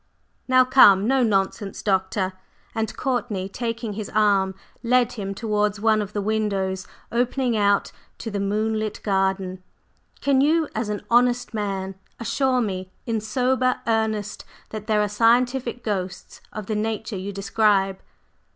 "Now come, no nonsense, Doctor," and Courtney, taking his arm, led him towards one of the windows opening out to the moonlit garden, "can you, as an honest man, assure me in sober earnest that there are 'scientific ghosts' of the nature you describe?"